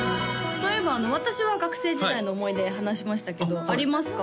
そういえば私は学生時代の思い出話しましたけどありますか？